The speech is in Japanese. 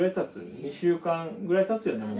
２週間ぐらいたつよね。